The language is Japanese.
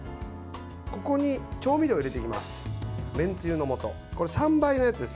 ここに調味料を入れていきます。